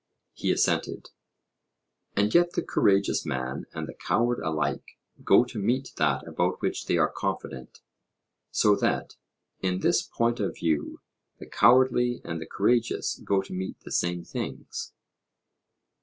He assented. And yet the courageous man and the coward alike go to meet that about which they are confident; so that, in this point of view, the cowardly and the courageous go to meet the same things.